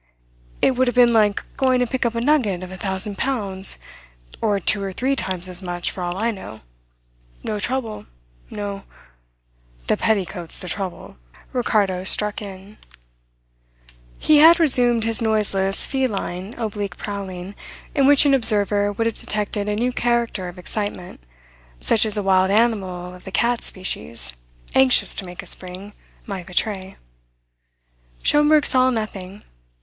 "It would have been like going to pick up a nugget of a thousand pounds, or two or three times as much, for all I know. No trouble, no " "The petticoat's the trouble," Ricardo struck in. He had resumed his noiseless, feline, oblique prowling, in which an observer would have detected a new character of excitement, such as a wild animal of the cat species, anxious to make a spring, might betray. Schomberg saw nothing.